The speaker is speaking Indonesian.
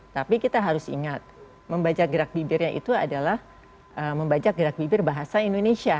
tapi kita harus ingat membaca gerak bibirnya itu adalah membaca gerak bibir bahasa indonesia